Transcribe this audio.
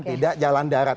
tidak jalan darat